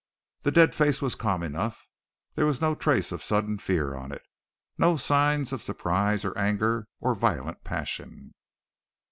The dead face was calm enough; there was no trace of sudden fear on it, no signs of surprise or anger or violent passion.